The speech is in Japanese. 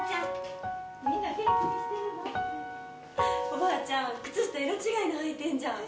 おばあちゃん、靴下色違いの履いてんじゃん！